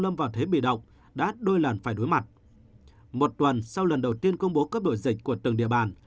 một tuần sau lần đầu tiên công bố cấp độ dịch của từng địa bàn